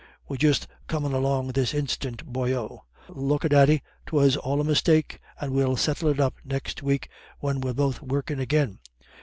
We're just comin' along this instant, boyo. Look a daddy, 'twas all a mistake, and we'll settle it up next week, when we're both workin' agin.